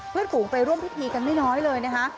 ฝูงไปร่วมพิธีกันไม่น้อยเลยนะคะ